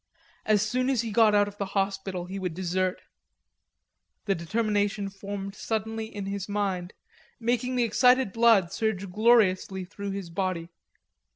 As soon as he got out of the hospital he would desert; the determination formed suddenly in his mind, making the excited blood surge gloriously through his body.